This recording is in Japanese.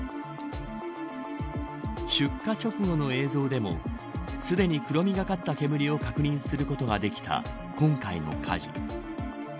出火直後の映像でもすでに黒みがかった煙を確認することができた今回の火事。